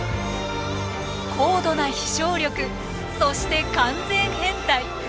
高度な飛翔力そして完全変態。